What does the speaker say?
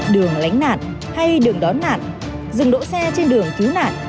đường lãnh nạn hay đường đón nạn rừng đỗ xe trên đường cứu nạn